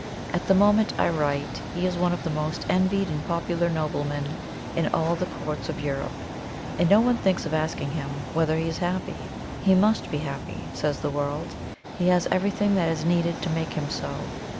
At the moment I write he is one of the most envied and popular noblemen in all the Royal Courts of Europe; and no one thinks of asking him whether he is happy. He MUST be happy, says the world; he has everything that is needed to make him so.